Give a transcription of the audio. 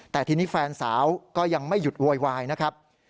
แต่ทีนี้แฟนสาวก็ยังไม่หยุดโวยวายนะครับ